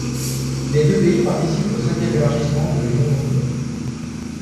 Les deux pays participent au cinquième élargissement de l'Union européenne.